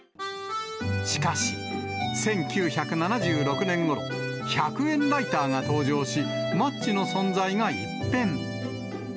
しかし、１９７６年ごろ、１００円ライターが登場し、マッチの存在が一変。